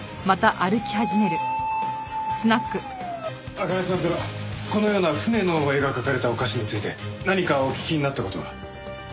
茜さんからこのような船の絵が描かれたお菓子について何かお聞きになった事は？